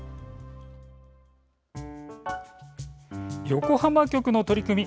横浜局の取り組み